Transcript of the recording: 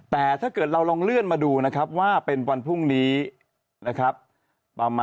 แต่ถ้าเกิดเราลองเลื่อนมาดูนะครับว่าเป็นวันพรุ่งนี้นะครับ